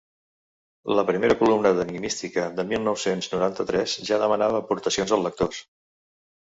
La primera columna d'enigmística de mil nou-cents noranta-tres ja demanava aportacions als lectors.